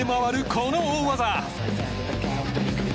この大技！